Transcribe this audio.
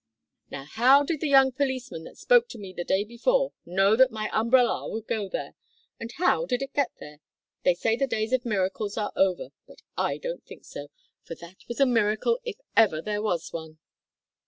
Now, how did the young policeman that spoke to me the day before know that my umbrellar would go there, and how did it get there? They say the days of miracles are over, but I don't think so, for that was a miracle if ever there was one."